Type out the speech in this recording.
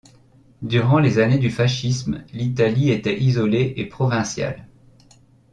Durant les années du fascisme, l'Italie était isolée et provinciale.